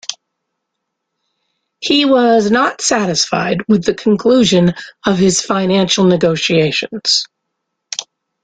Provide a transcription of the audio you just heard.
He was not satisfied with the conclusion of his financial negotiations.